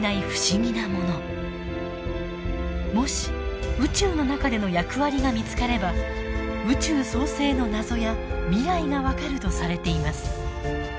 もし宇宙の中での役割が見つかれば宇宙創生の謎や未来が分かるとされています。